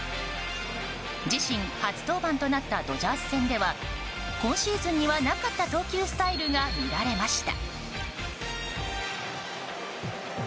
自身初登板となったドジャース戦では今シーズンにはなかった投球スタイルが見られました。